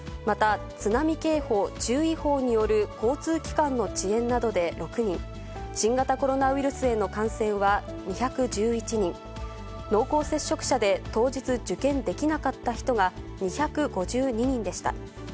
また、津波警報・注意報による交通機関の遅延などで６人、新型コロナウイルスへの感染は２１１人、濃厚接触者で当日、受験できなかった人が２５２人でした。